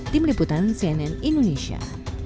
tim liputan cnn indonesia